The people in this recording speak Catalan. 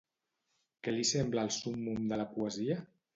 Què li sembla el súmmum de la poesia?